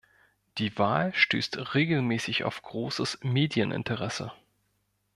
Die Wahl stößt regelmäßig auf großes Medieninteresse.